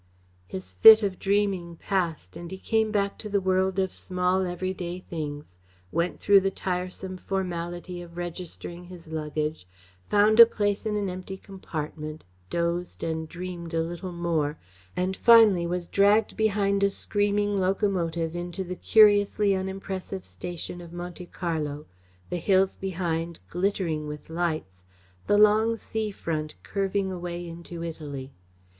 His fit of dreaming passed, and he came back to the world of small everyday things, went through the tiresome formality of registering his luggage, found a place in an empty compartment, dozed and dreamed a little more, and finally was dragged behind a screaming locomotive into the curiously unimpressive station of Monte Carlo, the hills behind glittering with lights, the long sea front curving away into Italy.